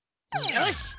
よし！